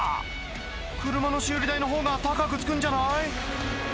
車の修理代の方が高くつくんじゃない？